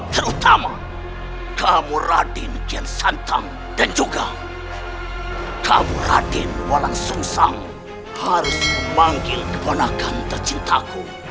terutama kamu raden gelsantang dan juga kamu raden walangsungsang harus memanggil ke penakan tercintaku